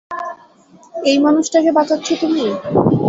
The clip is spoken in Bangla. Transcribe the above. এই মানুষটাকে বাঁচাচ্ছ তুমি?